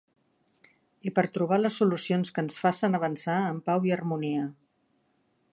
I per trobar les solucions que ens facen avançar en pau i harmonia.